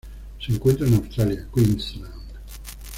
Se encuentra en Australia: Queensland.